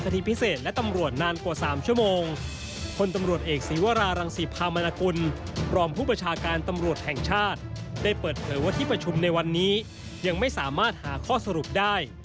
แต่ว่าที่ประชุมในวันนี้ยังไม่สามารถหาข้อสรุปได้